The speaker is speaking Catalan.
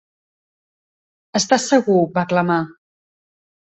"Està segur", va clamar.